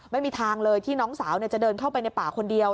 ไม่มีทางเลยที่น้องสาวจะเดินเข้าไปในป่าคนเดียว